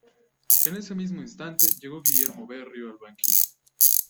En ese mismo instante, llegó Guillermo Berrío al banquillo.